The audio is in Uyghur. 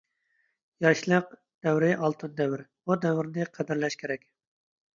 ياشلىق — دەۋر ئالتۇن دەۋر. بۇ دەۋرىنى قەدىرلەش كېرەك.